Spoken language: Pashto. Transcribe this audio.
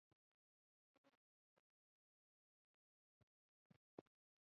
پري ګلې مور ته ويل چې اشرف خان غواړي دا رشته ختمه کړي